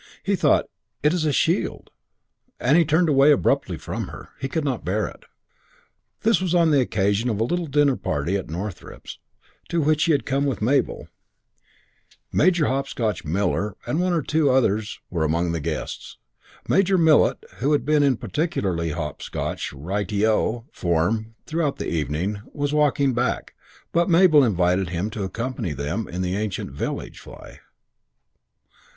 He thought, "It is a shield"; and he turned away abruptly from her. He could not bear it. This was on the occasion of a little dinner party at Northrepps to which he had come with Mabel; Major Hopscotch Millet and one or two others were among the guests. Major Millet, who had been in particularly hopscotch, Ri te O! form throughout the evening, was walking back, but Mabel invited him to accompany them in the ancient village fly.